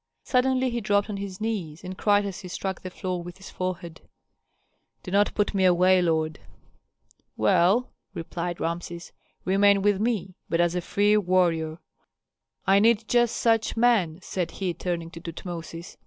Suddenly he dropped on his knees, and cried as he struck the floor with his forehead, "Do not put me away, lord." "Well," replied Rameses, "remain with me, but as a free warrior. I need just such men," said he, turning to Tutmosis.